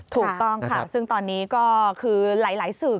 ถูกต้องค่ะซึ่งตอนนี้ก็คือหลายสื่อ